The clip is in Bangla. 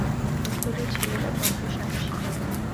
উত্তরের ছেলেরা বড্ড সাহসী হয়।